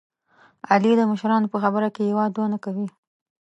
علي د مشرانو په خبره کې یوه دوه نه کوي.